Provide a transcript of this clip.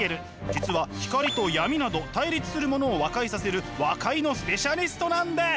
実は光と闇など対立するものを和解させる和解のスペシャリストなんです！